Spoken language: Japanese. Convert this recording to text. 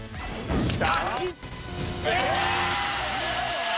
しかし。